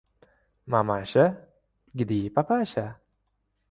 — Mamasha, gde papasha?